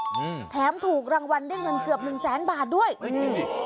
อืมแถมถูกรางวัลได้เงินเกือบหนึ่งแสนบาทด้วยอืม